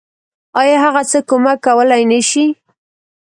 آيا هغه څه کمک کولی نشي.